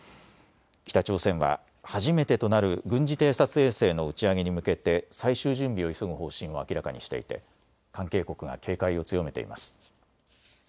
北朝鮮は初めてとなる軍事偵察衛星の打ち上げに向けて最終準備を急ぐ方針を明らかにしていて関係国が警戒を強めています。